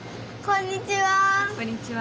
こんにちは。